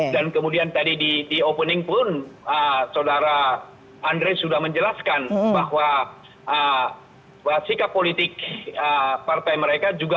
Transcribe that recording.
dan kemudian tadi di opening pun saudara andres sudah menjelaskan bahwa sikap politik partai mereka juga